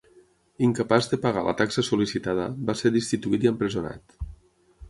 Incapaç de pagar la taxa sol·licitada, va ser destituït i empresonat.